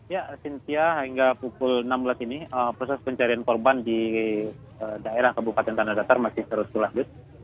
ya sintia hingga pukul enam belas ini proses pencarian korban di daerah kabupaten tanah datar masih terus berlanjut